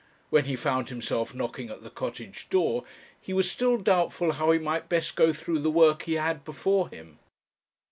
When he found himself knocking at the Cottage door he was still doubtful how he might best go through the work he had before him.